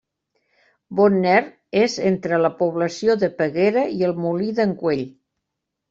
Bonner és entre la població de Peguera i el Molí d'en Güell.